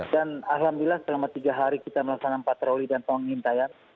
dan alhamdulillah selama tiga hari kita melaksanakan patroli dan tonggintayan